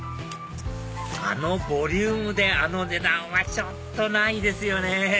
あのボリュームであの値段はちょっとないですよね！